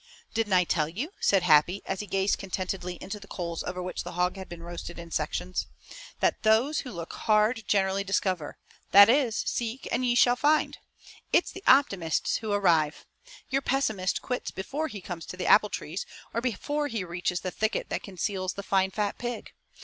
"Didn't I tell you," said Happy as he gazed contentedly into the coals over which the hog had been roasted in sections, "that those who look hard generally discover, that is, 'seek and ye shall find.' It's the optimists who arrive. Your pessimist quits before he comes to the apple trees, or before he reaches the thicket that conceals the fine fat pig.